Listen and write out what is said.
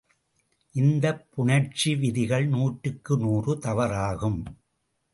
இந்தப் புணர்ச்சி விதிகள் நூற்றுக்கு நூறு தவறாகும்.